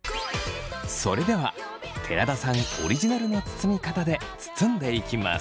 それでは寺田さんオリジナルの包み方で包んでいきます。